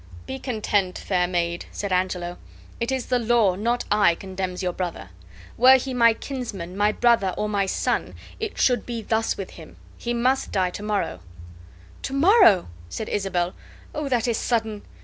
"Be content, fair maid!" said Angelo: "it is the law, not I, condemns your brother. Were he my kinsman, my brother, or my son, it should be thus with him. He must die to morrow." "To morrow?" said Isabel. "Oh, that is sudden!